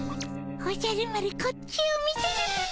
おじゃる丸こっちを見てるっピ。